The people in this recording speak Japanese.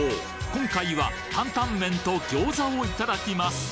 今回はタンタンメンと餃子をいただきます